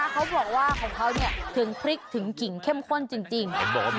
เขาบอกว่าของเขาถึงพริกถึงกิ่งเข้มข้นจริง